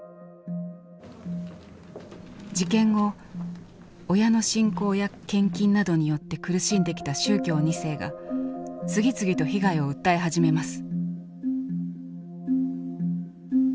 事件後親の信仰や献金などによって苦しんできた宗教２世が次々と被害を訴え始めます。